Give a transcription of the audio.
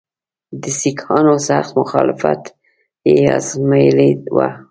د سیکهانو سخت مخالفت یې آزمېیلی وو.